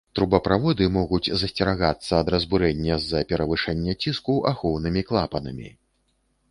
Трубаправоды могуць засцерагацца ад разбурэння з-за перавышэння ціску ахоўнымі клапанамі.